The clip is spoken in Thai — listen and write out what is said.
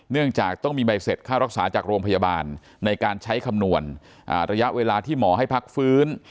เนื่องจากต้องมีใบเสร็จค่ารักษาจากโรงพยาบาลในการใช้คำนวณระยะเวลาที่หมอให้พักฟื้น